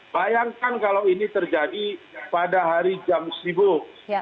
bayangkan kalau ini terjadi pada hari jam sibuk